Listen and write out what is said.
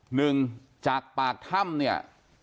หนึ่งจากปากถ้ำเนี่ย